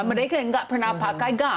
mereka nggak pernah pakai gas